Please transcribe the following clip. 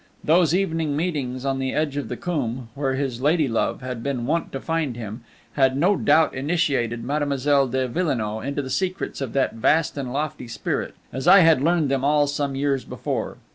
Those evening meetings on the edge of the coombe, where his lady love had been wont to find him, had, no doubt, initiated Mademoiselle de Villenoix into the secrets of that vast and lofty spirit, as I had learned them all some years before.